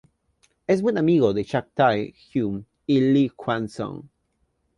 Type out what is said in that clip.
Es buen amigo de Cha Tae Hyun y Lee Kwang-soo.